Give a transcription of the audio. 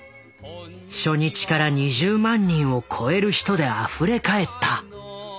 初日から２０万人を超える人であふれ返った。